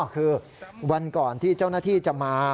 คือวันก่อนที่เจ้าหน้าที่จะมา